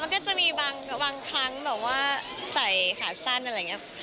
มันก็จะมีบางครั้งแบบว่าใส่ขาสั้นอะไรอย่างนี้